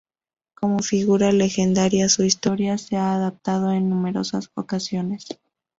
Como figura legendaria su historia se ha adaptado en numerosas ocasiones.